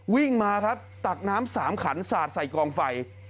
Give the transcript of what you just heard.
วิ่งมาครับตักน้ำ๓ขันสาดใส่กองไฟ